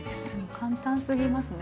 簡単すぎますね。